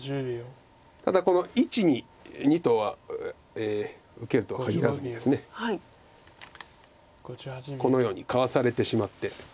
ただこの①に②と受けるとはかぎらずにこのようにかわされてしまって。